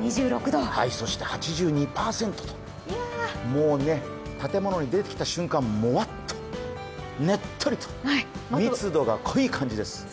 ２６度、そして８２％と、もうね、建物から出てきた瞬間、モワっとねっとりと密度が濃い感じです。